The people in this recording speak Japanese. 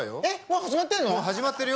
うん始まってるよ。